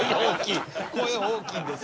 大きい。